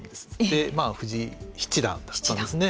藤井七段だったんですね。